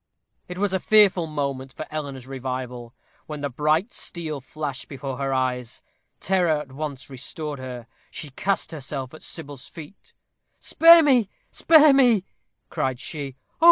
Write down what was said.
It was a fearful moment for Eleanor's revival, when the bright steel flashed before her eyes. Terror at once restored her. She cast herself at Sybil's feet. "Spare, spare me!" cried she. "Oh!